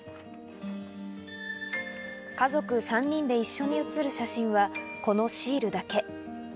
家族３人で一緒に写る写真はこのシールだけ。